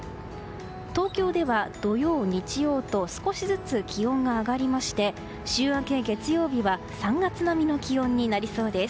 東京では土曜、日曜と少しずつ気温が上がりまして週明け、月曜日は３月並みの気温になりそうです。